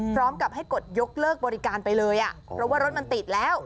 พร้อมกับให้กดยกเลิกบริการไปเลยอ่ะเพราะว่ารถมันติดแล้ว